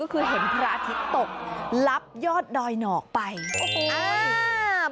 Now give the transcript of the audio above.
ก็คือเห็นพระอาทิตย์ตกลับยอดดอยหนอกไปโอ้โหอ่า